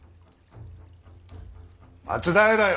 松平よ